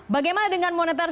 bagaimana dengan monetar